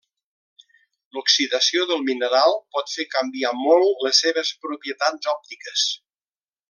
L'oxidació del mineral pot fer canviar molt les seves propietats òptiques.